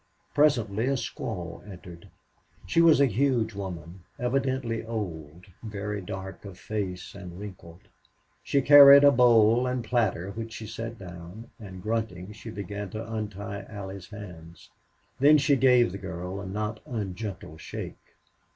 Presently a squaw entered. She was a huge woman, evidently old, very dark of face, and wrinkled. She carried a bowl and platter which she set down, and, grunting, she began to untie Allie's hands. Then she gave the girl a not ungentle shake.